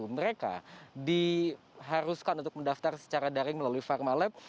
mereka diharuskan untuk mendaftar secara daring melalui pharma lab